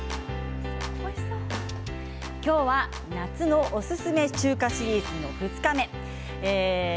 今日は夏のおすすめ中華シリーズの２日目です。